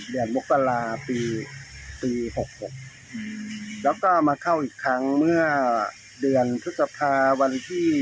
เดือนมกราปีปี๖๖แล้วก็มาเข้าอีกครั้งเมื่อเดือนพฤษภาวันที่